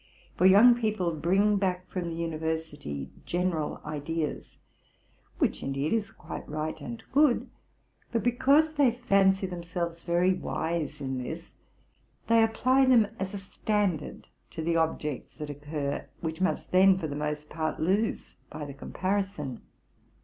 For young people bring back from the university general ideas, which, indeed, is quite right and good ; but, because Sher fancy themselves very wise in this, they apply them as a standard to the objects that occur, which must then, for the most part, lose by the comparison.